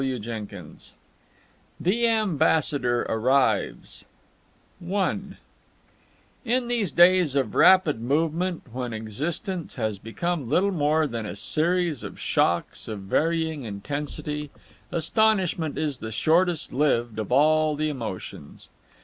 CHAPTER XIII THE AMBASSADOR ARRIVES I In these days of rapid movement, when existence has become little more than a series of shocks of varying intensity, astonishment is the shortest lived of all the emotions.